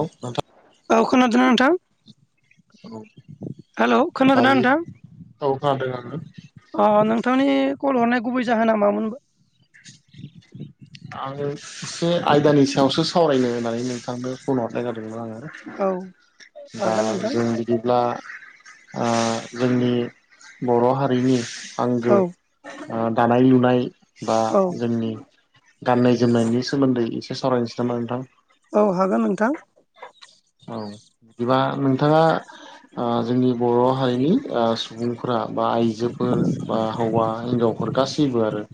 औ नोंथां औ खोनादोंना नोंथां औ हेल' खोनादों ना दायो नोंथां औ खोनादों आङो अ ओं नोंथांनि कल हरनाय गुबै जाहोना मामोन बा आङो एसे आयदानि सायावसो सावरायनो होननानै नोंथांनो फन हरनाय जादोंमोन औ आङो दा हागोन नोंथां जों बिदिब्ला ओ जोंनि बर' हारिनि आंगो औ दानाय लुनाय बा औ जोंनि गाननाय जोमनायनि सोमोन्दै एसे सावरायनोसै नामा नोंथां औ हागोन नोंथां औ बिदिबा नोंथाङा जोंनि बर' हारिनि सुबुं फोरा बा आइजोफोर बा हौवा हिनजावफोर गासैबो आरो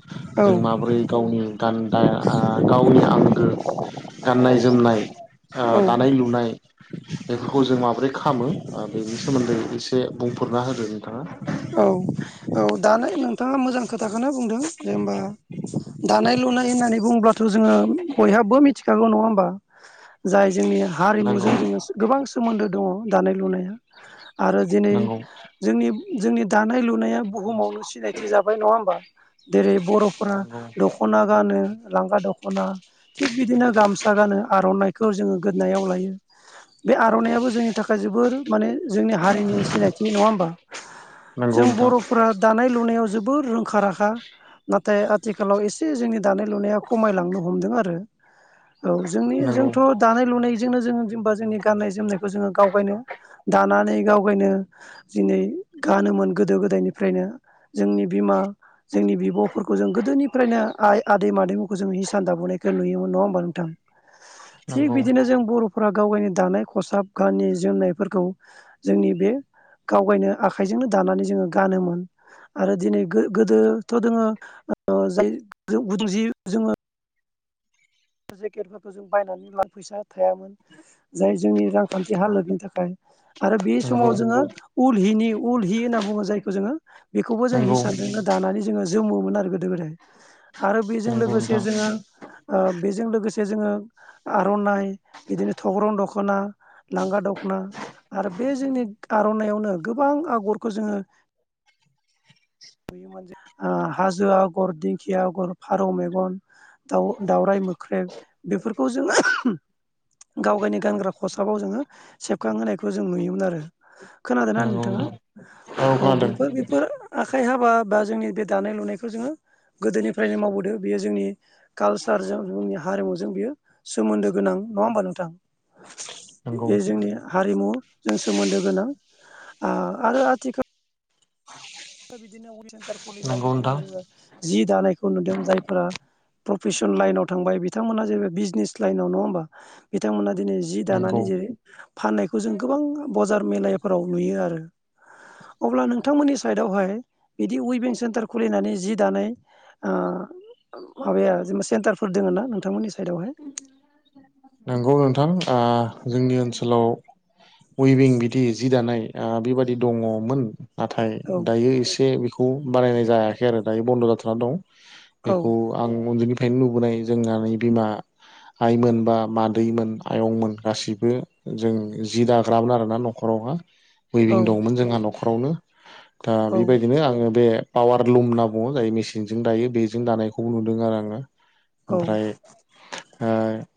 औ जों माबोरै गावनि गान गावनि आंगो गाननाय जोमनाय औ दानाय लुनाय बेफोरखौ जों माब्रै खालामो बेनि सोमोन्दै एसे बुंफोरना होदो नोंथाङा औ औ दानाय नोंथाङा मोजां खोथाखौनो बुंदों जे होमबा दानाय लु नाय होननानै बुङो थ' जोङो बयहाबो मिथिखागौ नङा होमबा जाय जोंनि नंगौ हारिमुजों जोङो गोबां सो सोमोन्दो दङ' दानाय लुनाया आरो दिनै नंगौ जोंनि जोंनि दानाय लुनाया बुहुमावनो सिनायथि जाबाय नङा होमबा जेरै बर'फ्रा नंगौ दख'ना गानो लांगा दख'ना थिग बिदिनो गामसा गानो आर'नाइखौ जोङो गोदनाव लायो। बे आर'नायइाबो जोंनि थाखाय जोबोर माने जोंनि हारिनि सिनायथि नङा होमबा नंगौ जों नोंथां बर'फोरा दानाय लुनायाव जोबोर रोंखा राखा नाथाय आथिखालाव एसे जोंनि दानाय लुनाया खमायलांनो हमदों आरो औ जोंनि नंगौ जोंथ' दानाय लुनायजोंनो जों जेनेबा जोंनि गाननाय जोमनायखौ जोङो गावगायनो दानानै गावगायनो दिनै गानोमोन गोदो गोदायनिफ्रायनो जोंनि बिमा जोंनि बिब'फोरखौ जों गोदोनिफ्रायनो आइ आदै मादैमोनखौ जों हिसान दाबोनायखौ नुयोमोन नङा होमबा नोंथां। [inaudible] थिग नंगौ बिदिनो जों बर'फोरा गाव गावनि दानाय खसाब गानि गाननाय जोमनायफोरखौ जोंनि बे गावगायनो आखाइजोंनो दानानै जोङो गानोमोन आरो दिनै गो-गोदोथ' दोङो ओ जाय जि गुदुं जि जोङो जेकेटफोरखौ जों बायनानै लानो फैसा थायामोन जाय जोंनि रांखान्थि हालोदनि थाखाय आरो बे नंगौ समाव जोङो उल हिनि उल हि होनना बुङो जायखौ जोङो बेखौबो जों नंगौ हिसानदो नो दानानै जो जोमोन आरो गोदो गोदाय आरो बेजों नंगौ लोगोसे नोंथां जोङो ओ बेजों लोगोसे जोङो आर'नाइ बिदिनो थग्रं दख'ना लांगा दख'ना आरो बे जोंनि आर'नाइावनो गोबां आगरखौ जोङो [inaudible] नुयोमोन जे हाजो आगर दिंखिया आगर फारौ मेगन दाव-दावराय मोख्रेब बेफोरखौ जोङो गाव गावनि गानग्रा खसाबाव जोङो सेबखां होनोनायखौ जों नुयोमोन आरो खोनादोंना नंगौ नोंथाङा नोंथां औ बेफोर बेफोर आखाइ हाबा बा जोंनि बे दानाय लुनायखौ जोङो गोदोनिफ्रायनो मावबोदो बेयो जोंनि कालसारजों जोंनि हारिमुजों बियो सोमोन्दो गोनां नङा होमबा नोंथां नंगौ बे जोंनि हारिमुजों सोमोन्दो गोनां आ आरो आथिखाल बिदिनो वइभिं सेन्टार खुलिनानै नंगौ दिनै नोंथां जोङो जि दानायखौ नुदों जायफोरा प्रफेसन लाइनाव थांबाय बिथांमोना जेबो बिजनेस लाइनाव नङा होमबा बिथांमोना दिनै जि नंगौ दानानै जैरै फाननायखौ जों गोबां बजार मेलफोराव नुयो आरो। अब्ला नोंथांमोननि साइडआवहाय बिदि उइबिं सेन्टार खुलिनानै जि दानाय आ माबाया जेनेबा सेन्टारफोर दोङ ना नोंथांमोननि साइदआवहाय? नंगौ नोंथां आ जोंनि ओनसोलाव उइबिं बिदि जि दानाय बेबादि दङ'मोन। नाथाय औ दायो एसे बेखौ बानायनाय जायाखै आरो दायो बन्द' जाथ'ना दं। औ बेखौ आं उन्दैनिफ्रायनो नुबोनाय जोंहानि बिमा आइ मोन बा मादै मोन आयंमोन गासिबो जों जि दाग्रामोन आरोना न'खरावहा औ उइबिं दंमोन जोंहा नखरावनो दा औ बेबायदिनो आङो बे पावार लुम होनना बुङो जाय मेसिनजों दायो बेजों दानायखौबो नुदों आरो आङो औ ओमफ्राय ओ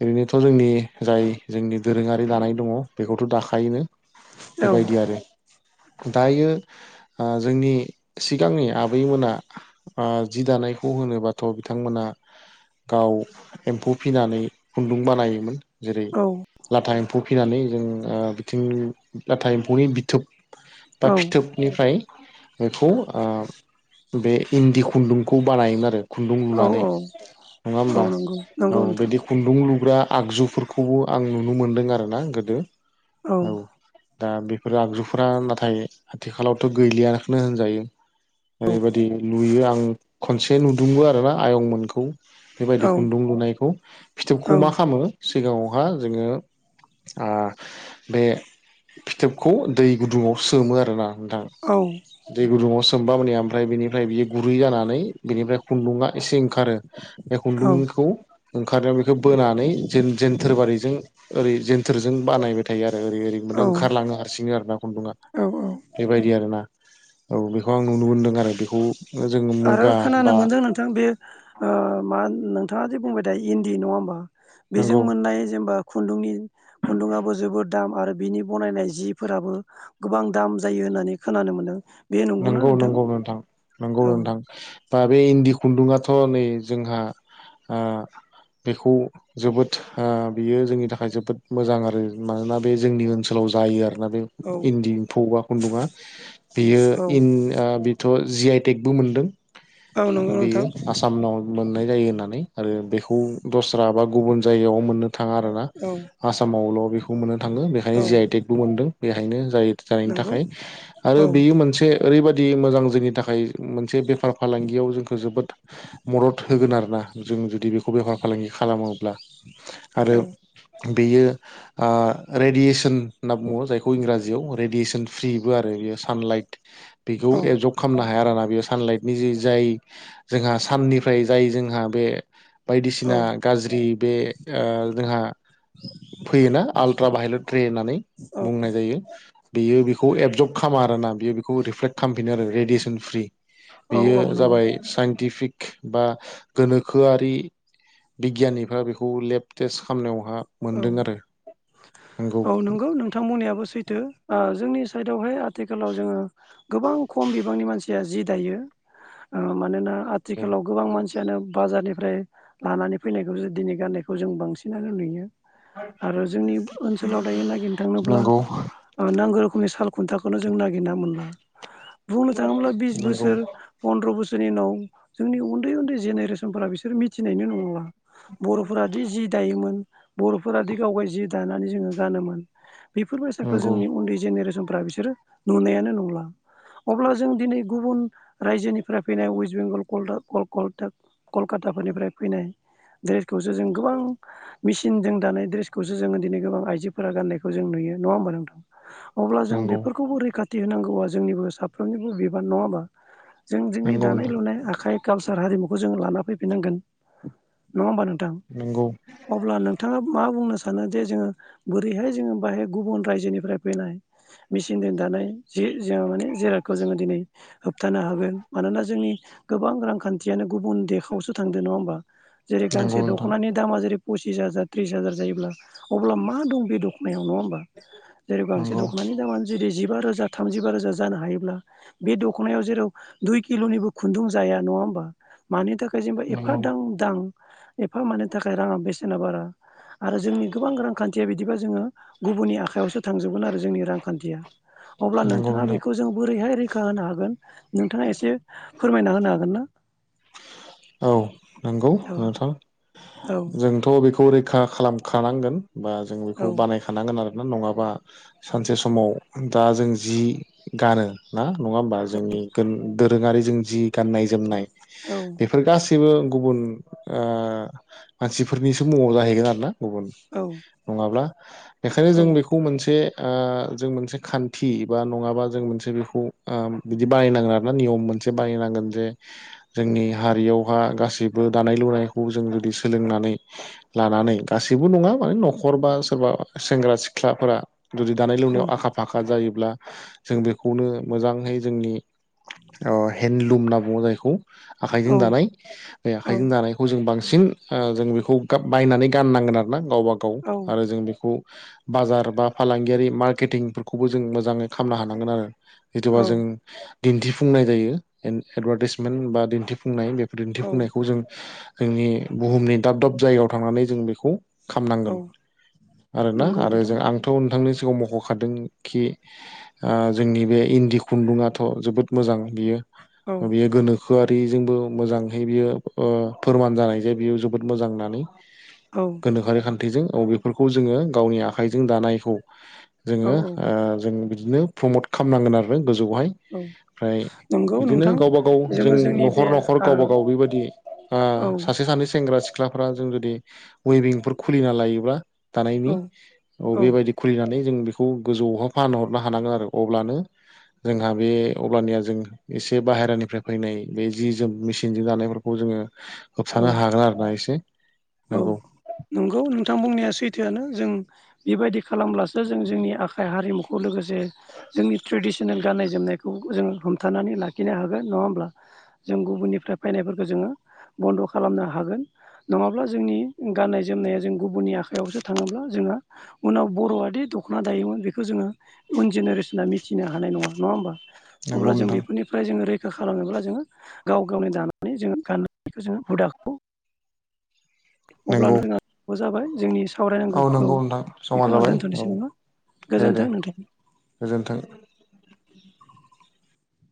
ओरैनोथ' जोंनि जाय जोंनि दोरोङारि दानाय दङ' बेखौथ' दाखायोआनो औ बेबायदि आरो दायो ओ जोंनि सिगांनि आबैमोना ओ जि दानायखौ होनोबाथ' बिथांमोना गाव एम्फौ फिनानै खुन्दुं बानायोमोन जेरै औ लाथा एम्फौ फिनानै जों ओ बिथिं लाथा एम्फौनि बिथोब बा औ फिथोबनिफ्राय बेखौ ओ बे इन्दि खुन्दुंखौ बानायोमोन आरो खुन्दुं औ लुनानै नङा औ होमबा नंगौ नंगौ औ नोंथां बिदि खुन्दुं लु ग्रा आगजुफोरखौबो आं नुनो मोनदों आरोना गोदो औ दा बेफोर आगजुफोरा नाथाय आथिखालावथ' गैलियाखौनो होनजायो ओरैबायदि लुयो आं खनसे नुदोंबो आरोना आयंमोनखौ औ बेबायदि खुन्दुं लुनायखौ औ फिथोबखौ मा खालामो सिगाङावहा जोङो ओ बे फिथोबखौ दै गुदुङाव सोमो आरोना नोंथां औ दै गुदुङाव सोमबा माने ओमफ्राय बेनिफ्राय बियो गुरै जानानै बिनिफ्राय खुन्दुङा एसे ओंखारो बे खुन्दुंखौ ओंखारो बोनानै जों जोनथोर बारिजों ओरैनो थोरजों बानायबाय थायो आरो ओरै ओरै मोने औ ओंखारलाङो हारसिङै आरोना खुन्दुङा औ औ बेबायदि आरो ना औ बेखौ आं नुनो मोनदों आरो बेखौ जोङो आरो मुगा खोनानो बा मोनदों नोंथां बे ओ मा नोंथाङा जि बुंबाय थायो इन्दि नङा होमबा बेजों नंगौ मोननाय जेनेबा खुन्दुंनि खुन्दुङाबो जोबोद दाम आरो बिनि बनायनाय जिफोराबो गोबां दाम जायो होननानै खोनानो मोनो नंगौ नंगौ नोंथां नंगौ औ नोंथां बा दा बे इन्दि खुन्दुङाथ' नै जोंहा ओ बेखौ जोबोद ओ बियो जोंनि थाखाय जोबोद मोजां आरो मानोना बे जोंनि ओनसोलाव जायो आरोना बे औ इन्दि एम्फौ बा खुन्दुङा बेयो औ होन ओ बेथ' जि आइटेकबो मोनदों औ नंगौ नोंथां बेयो आसामाव मोननाय जायो होननानै आरो बेखौ दस्रा आबाद गुबुन जायगायाव मोननो थाङा आरोना औ आसामावल' बेखौ मोननो थाङो बेखायनो औ जि आइ टेकबो मोनदों बेहायनो जाय जाय नंगौ थाखाय आरो औ बेयो मोनसे बिदि मोजां जोंनि थाखाय मोनसे बेफार फालांगियाव जोंखौ जोबोद मदद होगोन आरोना जों जुदि बेखौ बेफार फालांगि खालामोब्ला आरो औ बेयो ओ रेडियेसन होनना बुङो जायखौ इंराजि जियाव रेडियेसन फ्रिबो आरो बेयाव सानराइज बिखौ औ एबजब खामनो हा आरोना बेयाव सान लाइटनि जि जाय जोंहा साननिफ्राय जाय जोंहा बे औ बायदिसिना गाज्रि बे ओ जोंहा फैयोना आल्ट्रा भायलेट रे होननानै बुंनाय जायो बियो बिखौ एबजर्ब खामा आरोना बियो बेखौ रिफ्लेक्ट खालामफिनो आरो रेडियेसन फ्रि औ बेयो औ नंगौ जाबाय साइनटिफिक बा गोनोखोआरि बिगियानिफ्रा बेखौ लेब टेस्ट खामनायाव औ औ नंगौ नोंथांमोननियाबो सैथो जोंनि साइदआवहाय आथिखालाव जोङो गोबां खम बिबांनि मानसि जिया जि दायो मानोना आथिखालाव गोबां मानसि यानो बाजारनिफ्राय लानानै फैनायखौसो दिनै गाननायखौ जों बांसिनानो नुयो आरो जोंनि ओनसोलाव दायो नागिरनो थाङोब्ला नंगौ ओ‌ नांगौ रोखोमनि फा खुन्थाखौनो जों नागिरना मोनला बुंनो थाङोब्ला बिस बोसोर नंगौ फन्द्र' बोसोर जोंनि उनाव जोंनि उन्दै उन्दै जेनेरेसनफोरा बिसोर मिथ थिनायनो नंला बर'फोरादि जि दायोमोन बर'फोरादि गाव गाव जि दानानै जोङो गानोमोन बेफोर बैसाखौ जोंनि उन्दै जेनेरेसन फोरा बिसोरो नुनायानो नंला अब्ला जों दिनै गुबुन रायजोनिफ्राय फैनाय वेस्ट बेंगल कल कलटाक कलकाताफोरनिफ्राय फैनाय ड्रेसखौसो जों गोबां सिनजों दानाय दड्रेसखौसो जोङो दिनै गोबां आइजोफोरा गाननायखौ जों नुयो नङा होमबा नोंथां? अब्ला जों नंगौ नंगौ बेफोरखौबो रैखाथि होनांगौआ जोंनिबो साफ्रोमनिबो बिबान नङाबा? जों जोंनि नंगौ दानाय नोंथां लुनाय आखाइ कालसार हारिमुखौ जों लाना फैफिननांगोन नङा होमबा नों नंगौ मा बुंनो सानो जे जोङो बोरैहाय जोङो बाहाय गुबुन रायजोनिफ्राय फैनाय मिसिं देनथा जिरादखौ जोङो दिनै होबथानो हागोन मानोना जोंनि गोबां रांखा न्थिनो गुबुन देखावसो थांदो नङा होमबा जेरै नंगौ गांसे नोंथां दख'नानि दामा जेरै पसिस हाजार त्रिस हाजार जायोब्ला अब्ला मा दं बे दख'नायाव नङा होमबा जेरै गांसे नंगौ दख'नानि दामानो जेरै जिबा रोजा थामजिबा रोजा जानो हायोब्ला बे दख'नायाव जेराव दुइ किल'निबो खुन्दुं जाया नङा नङा होमबा मानि थाखाय जेनबा एफा नंगौ दां दां एफा मानि थाखाय राङा बेसेना बारा आरो जोंनि गोबां रांखान्थिया बिदिबा जोङो गुबुननि आखाइयावसो थांजोबगोन आरो जोंनि रांखान्थिया अब्ला नंगौ नोंथाङा नोंथां बेखौ जों बोरैहाय रै खा होनो हागोन नोंथाङा एसे फोरमायना होनो हागोन ना? औ नंगौ औ नोंथां औ जोंथ' बेखौ रैखा खालामखानांगोन। बा जों औ बेखौ बानायखानांगोन आरो। ना नङाबा सानसे समाव दा जों जि गानो ना नङा होमबा जोंनि दोरोङारिजों जि गान्नाय जोमनाय औ बेफोर गासैबो गुबुन मानसिफोरनिसो मुङाव जाहैगोन आरोना गुबुन औ नङाब्ला बेखायनो औ जों बेखौ मोनसे जों मोनसे खान्थि बा नङाबा जों मोनसे बेखौ बिदि बानायनांग्रा ना नियम मोन बाहायनांगोन जे जोंनि हारियावहा गासैबो दानाय लुनायखौ जों जुदि सोलोंनानै लानानै गासैबो नङा माने न'खर बा सोरबा सेंग्रा सिख्लाफोरा जुदि दानाय औ लुनायाव आखा फाखा जायो ब्ला जों बेखौनो मोजाङै जोंनि हेन्दलुम होनना बुङो जायखौ आखाइजों औ दानाय बे आखाइजों दानायखौ जों बां सिन जों बेखौ बायनानै गाननांगोन आरो ना गावबा गाव औ आरो जों बेखौ बाजार बा फालांगियारि मार्केटिंफोरखौबो जों मोजाङै खालामनो हानांगोन आरो। जिथबा जों दिन्थिफुंनाय जायो एडभार्टाइसमेन्ट बा दिन्थिफुंनाय बे औ दिन्थिफुंनायखौ जों जोंनि बुहुमनि दाब दाब जायगायाव थांनानै जों बेखौ औ खामनांगोन आरोना नंगौ आरो नोंथां जों आंथ' नोंथांनि सिगाङाव मख'खादों खि जोंनि बे इन्दि खुन्दुङाथ' जोबोद मोजां बियो औ बेयो गोनोखो आरो बेजोंबो मोजांहै बियो फोरमान जानाय जाय बियो जोबोद मोजां होननानै औ गोनोखोआरि खान्थिजों औ बेफोरखौ जोङो गावनि आखाइजों दानायखौ औ जोङो जों बिदिनो प्रमत खालामनांगोन आरो गोजौआवहाय औ ओमफ्राय नंगौ बिदिनो नोंथां गावबा गाव जोङो न जोंनि बे न' ओ गाव गाव बेबाय औ सासे सानै सेंग्रा सिख्लाफ्रा जों जुदि वेयरिंफोर खुलिना लायोब्ला थानायनि औ औ बेबायदि खुलिनानै जों बेखौ गोजौआव फानहरनो हानांगोन आरो अब्लानो जोंहा बे अब्लानिया जों एसे बाहेरानिफ्राय फैनाय बे जि जोम मेसिनजों दानायफोरखौ जोङो औ होबथानो हागोन आरोना एसे। औ नंगौ नंगौ नोंथां बुंनाया सै थोयानो जों बेबायदि खालामब्लासो जों जोंनि आखाइ हारिमुखौ लोगोसे जे जोंनि ट्रेडिसनेल गाननाय जोमनायखौ जोङो हमथानानै लाखिनो हागोन नङा होमब्ला जों गुबुननिफ्राय फैनायफोरखौ जोङो बन्द' खालामनो हागोन नङाब्ला जोंनि गाननाय जोमनाया जों गुबुननि आखायावसो थाङोब्ला जोंहा उनाव बर'आदि दख'ना दायोमोन बेखौ जोङो उन जेनेरेसना मिथिनो हानाय नङा नङा होमा अब्ला नंगौ जों नोंथां बेफोरनि जो बेखौ खालामोब्ला जोङो गाव गावनि दानानै जोङो गाननानैखौ जोङो हुदाखौ नंगौ अब्लानो जोंहा जाबाय जोंनि औ सावरायनांगौखौ नंगौ नोंथां समा बेखौनो जाबाय दोनथ'नोसै औ नामा दे दे गोजोन्थों नोंथां। गोजोन्थों